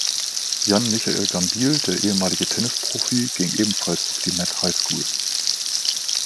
Jan-Michael Gambill, der ehemalige Tennisprofi, ging ebenfalls auf die Mead High School.